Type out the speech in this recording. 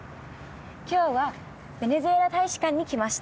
今日はベネズエラ大使館に来ました。